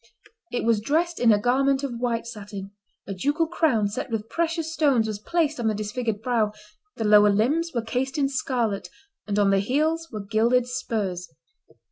It was dressed in a garment of white satin; a ducal crown, set with precious stones, was placed on the disfigured brow; the lower limbs were cased in scarlet, and on the heels were gilded spurs.